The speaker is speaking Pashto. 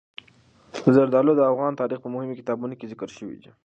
زردالو د افغان تاریخ په مهمو کتابونو کې ذکر شوي دي.